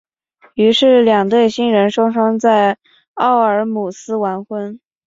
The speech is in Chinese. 于是两对新人双双在沃尔姆斯完婚。